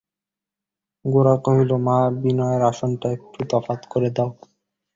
গোরা কহিল, মা, বিনয়ের আসনটা একটু তফাত করে দাও।